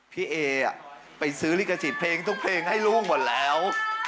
พี่เอไปซื้อลิขสิทธิ์เพลงทุกเพลงให้ล่วงหมดแล้ว